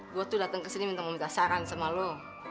gue tuh dateng kesini minta saran sama lo